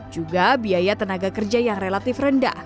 juga biaya tenaga kerja yang relatif rendah